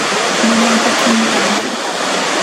Minung pathum kan nganh taak hna.